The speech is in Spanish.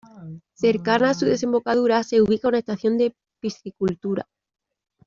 Cercana a su desembocadura se ubica una estación de piscicultura..